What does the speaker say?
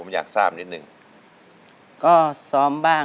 ไม่ใช้